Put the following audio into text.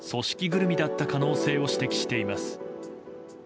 ぐるみだった可能性を指摘しています。